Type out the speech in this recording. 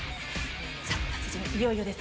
達人、いよいよです。